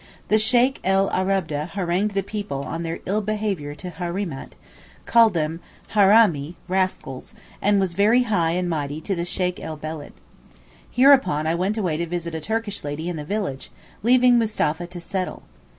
The Sheykh el Ababdeh harangued the people on their ill behaviour to Hareemát, called them harámee (rascals), and was very high and mighty to the Sheykh el Beled. Hereupon I went away to visit a Turkish lady in the village, leaving Mustapha to settle.